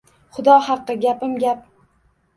Xudo haqqi, gapim gap